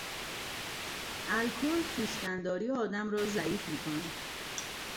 الکل خویشتنداری آدم را ضعیف میکند.